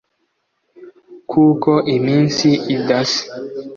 kuko iminsi idasa